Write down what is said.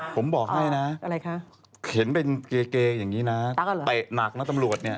ผมบอกให้นะอะไรคะเข็นเป็นเกย์อย่างนี้นะเตะหนักนะตำรวจเนี่ย